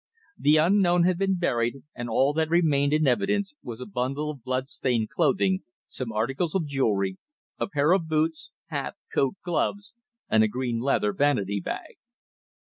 The unknown had been buried, and all that remained in evidence was a bundle of blood stained clothing, some articles of jewellery, a pair of boots, hat, coat, gloves, and a green leather vanity bag.